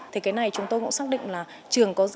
thì cái này chúng tôi cũng xác định là trường có rất nhiều